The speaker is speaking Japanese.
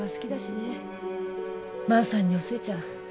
万さんにお寿恵ちゃん